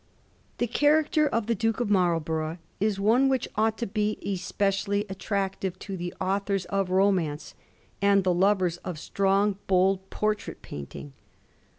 The character of the Duke of Marlborough is one which ought to be especially attractive to the authors of romance and the lovers of strong bold portrait painting.